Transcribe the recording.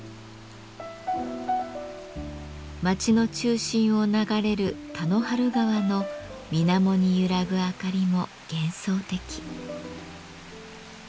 町の中心を流れる「田の原川」のみなもに揺らぐあかりも幻想的。